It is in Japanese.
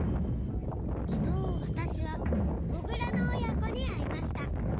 きのうわたしはモグラのおやこにあいました。